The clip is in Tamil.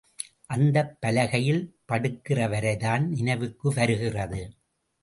அந்தப் பலகையில் படுக்கிற வரைதான் நினைவுக்கு வருகிறது.